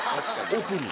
奥に。